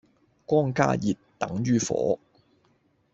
光加熱,等於火